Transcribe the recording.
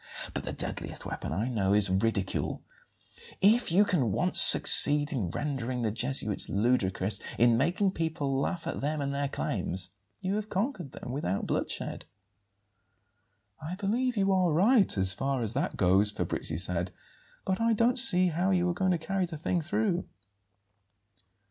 But the deadliest weapon I know is ridicule. If you can once succeed in rendering the Jesuits ludicrous, in making people laugh at them and their claims, you have conquered them without bloodshed." "I believe you are right, as far as that goes," Fabrizi said; "but I don't see how you are going to carry the thing through."